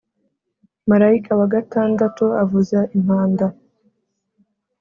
Marayika wa gatandatu avuza impanda,